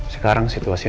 sekarang situasi ini